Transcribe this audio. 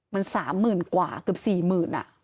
มัน๓๐๐๐๐กว่าคือ๔๐๐๐๐อ่ะ